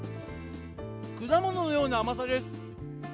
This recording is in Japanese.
果物のような甘さです。